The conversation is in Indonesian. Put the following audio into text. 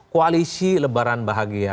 koalisi lebaran bahagia